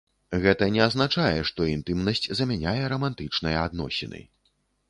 Гэта не азначае, што інтымнасць замяняе рамантычныя адносіны.